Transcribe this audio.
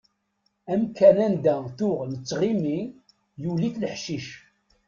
Amkan anda tuɣ nettɣima yuli-t leḥcic.